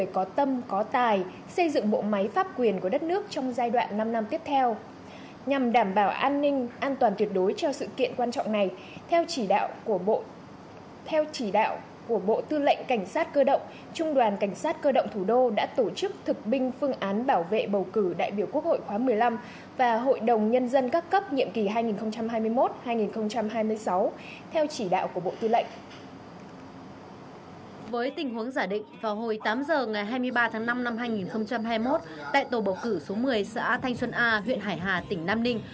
với tình huống giả định vào hồi tám h ngày hai mươi ba tháng năm năm hai nghìn hai mươi một tại tổ bầu cử số một mươi xã thanh xuân a huyện hải hà tỉnh nam ninh